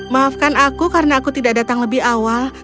maafkan aku karena aku tidak datang lebih awal